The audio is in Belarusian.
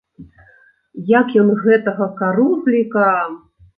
Як ён гэтага карузліка!